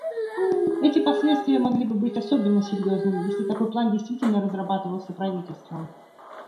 Эти последствия могли бы быть особенно серьезными, если такой план действительно разрабатывался правительством.